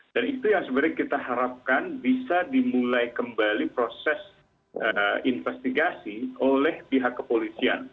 dan itu yang sebenarnya kita harapkan bisa dimulai kembali proses investigasi oleh pihak kepolisian